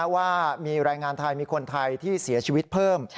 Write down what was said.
ว่ามีแรงงานไทยมีคนไทยที่เสียชีวิตเพิ่ม